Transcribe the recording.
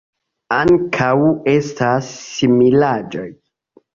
Ankaŭ estas similaĵoj.